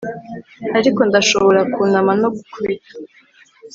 ariko ndashobora kunama no gukubita